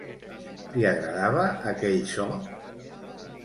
Li agradava aquell so?